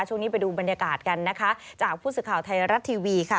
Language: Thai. ช่วงนี้ไปดูบรรยากาศกันนะคะจากผู้สื่อข่าวไทยรัฐทีวีค่ะ